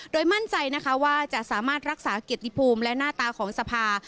โดยมั่นใจนะคะว่าจะสามารถรักษาเกียรติภูมิและหน้าตาของสภา